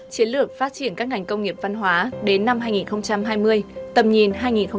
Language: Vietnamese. chiến lược phát triển các ngành công nghiệp văn hóa đến năm hai nghìn hai mươi tầm nhìn hai nghìn ba mươi